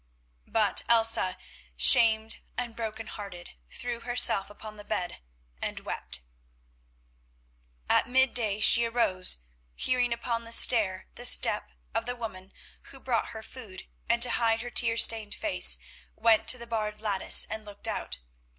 But Elsa, shamed and broken hearted, threw herself upon the bed and wept. At mid day she arose, hearing upon the stair the step of the woman who brought her food, and to hide her tear stained face went to the barred lattice and looked out.